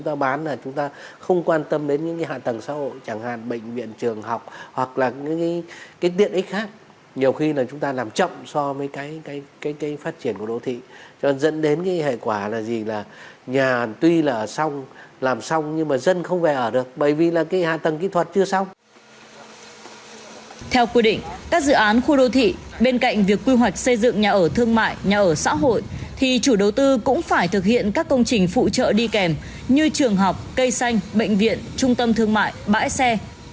theo quy định các dự án khu đô thị bên cạnh việc quy hoạch xây dựng nhà ở thương mại nhà ở xã hội thì chủ đầu tư cũng phải thực hiện các công trình phụ trợ đi kèm như trường học cây xanh bệnh viện trung tâm thương mại bãi xe